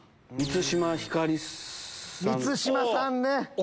満島さんね！